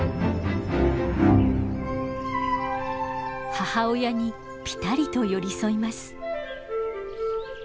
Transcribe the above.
母親にぴたりと寄り添います。